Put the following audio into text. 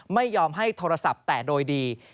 ไม่ยอมให้โทรศัพท์แต่โดยดี